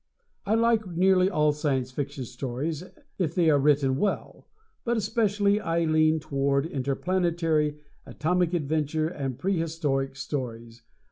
I like nearly all Science Fiction stories if they are written well, but especially I lean toward interplanetary, atomic adventure and prehistoric stories.